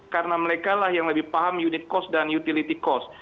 karena mereka yang lebih paham unit cost dan utility cost